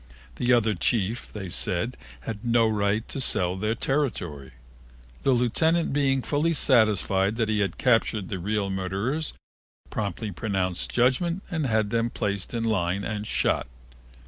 The other chief, they said, had no right to sell their territory. The lieutenant being fully satisfied that he had captured the real murderers, promptly pronounced judgment and had them placed in line and shot.